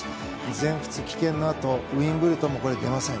全仏棄権のあとウィンブルドンも出ません。